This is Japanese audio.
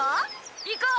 行こう。